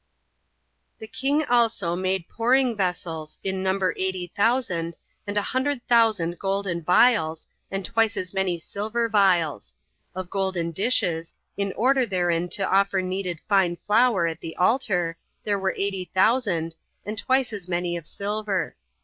8. The king also made pouring vessels, in number eighty thousand, and a hundred thousand golden vials, and twice as many silver vials: of golden dishes, in order therein to offer kneaded fine flour at the altar, there were eighty thousand, and twice as many of silver.